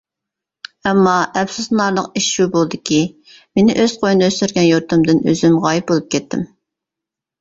ئەمما ئەپسۇسلىنارلىق ئىش شۇ بولدىكى مېنى ئۆز قوينىدا ئۆستۈرگەن يۇرتۇمدىن ئۆزۈم غايىب بولۇپ كەتتىم.